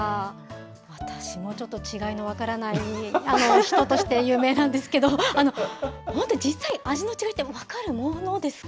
私もちょっと違いの分からない人として有名なんですけど、本当に実際、味の違いって分かるものですか。